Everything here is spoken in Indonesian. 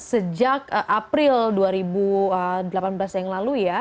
sejak april dua ribu delapan belas yang lalu ya